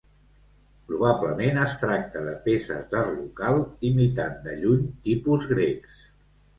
Probablement es tracta de peces d’art local, imitant de lluny tipus grecs.